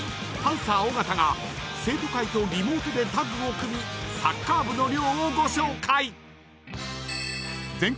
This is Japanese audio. パンサー尾形が生徒会とリモートでタッグを組みサッカー部の寮をご紹介］